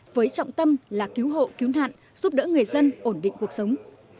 với trọng tâm là cứu hộ cứu nạn giúp đỡ người dân ổn định cuộc sống